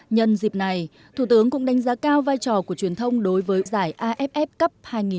nhân dịp này thủ tướng cũng đánh giá cao vai trò của truyền thông đối với giải aff cup hai nghìn một mươi chín